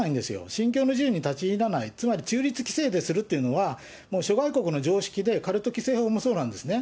信教の自由に立ち入らない、つまり中立規制でするっていうのは、もう諸外国の常識で、カルト規制法もそうなんですね。